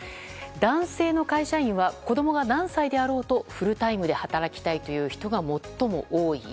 男性の会社員は子供が何歳であろうとフルタイムで働きたいという人が最も多い。